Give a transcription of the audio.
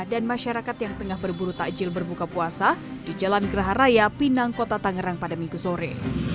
dan masyarakat yang tengah berburu takjil berbuka puasa di jalan gerah raya pinang kota tangerang pada minggu sore